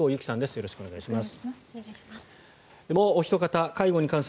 よろしくお願いします。